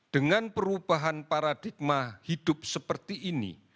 dengan perubahan paradigma hidup seperti ini